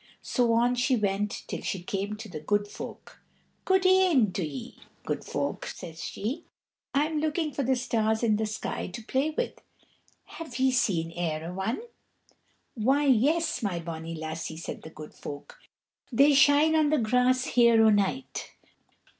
So on she went till she came to the Good Folk. "Goode'en to ye, Good Folk," says she; "I'm looking for the stars in the sky to play with. Have ye seen e'er a one?" "Why, yes, my bonny lassie," said the Good Folk. "They shine on the grass here o' night.